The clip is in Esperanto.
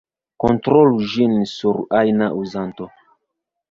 Kontrolu ĝin sur ajna uzanto.